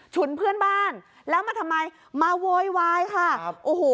ฉุนเพื่อนบ้านแล้วมาทำไมมาโวยวายค่ะครับโอ้โห